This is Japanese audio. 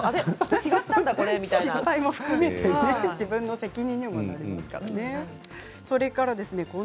失敗も含めて自分の責任になりますからね。